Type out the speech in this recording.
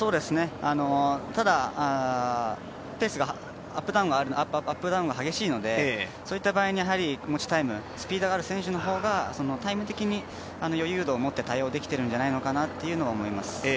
ただ、ペースが、アップダウンが激しいのでそういった場合に持ちタイムスピードある選手の方がタイム的に余裕度をもって対応できているんじゃないかと思います。